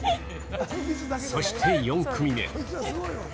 そして４組目。